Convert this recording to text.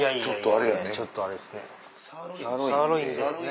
ちょっとあれやね。